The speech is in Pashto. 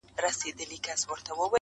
o درسته هغه ده چي په لاس درغله.